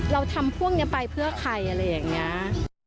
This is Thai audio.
เราทำพวกนี้ไปเพื่อใครอะไรอย่างนี้